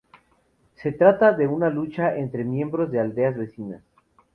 Se trata de una lucha entre miembros de aldeas vecinas.